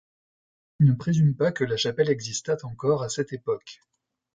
Ce qui ne présume pas que la chapelle existât encore à cette époque.